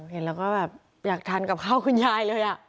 เห็นแล้วก็แบบอยากทานกับข้าวคุณยายเลย